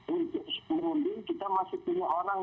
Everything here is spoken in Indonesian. untuk merunding kita masih punya orang